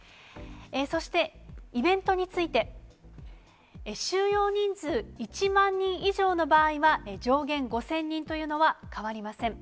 そしてイベントについて、収容人数１万人以上の場合は、上限５０００人というのは変わりません。